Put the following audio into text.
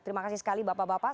terima kasih sekali bapak bapak